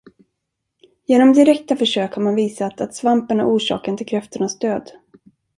Genom direkta försök har man visat, att svampen är orsaken till kräftornas död.